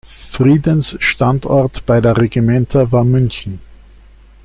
Friedensstandort beider Regimenter war München.